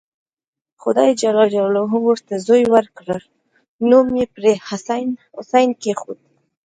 خدای ج ورته زوی ورکړ نوم یې پرې حسین کېښود.